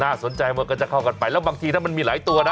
สนใจมันก็จะเข้ากันไปแล้วบางทีถ้ามันมีหลายตัวนะ